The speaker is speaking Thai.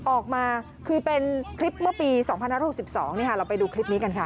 ออกมาคือเป็นคลิปเมื่อปี๒๐๖๒เราไปดูคลิปนี้กันค่ะ